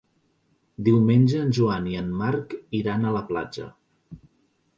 Diumenge en Joan i en Marc iran a la platja.